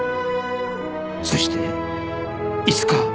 そしていつかまた